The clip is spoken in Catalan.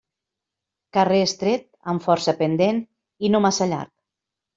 Carrer estret, amb força pendent i no massa llarg.